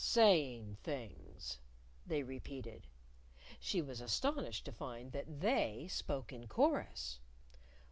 "Saying things," They repeated. (She was astonished to find that They spoke in chorus!)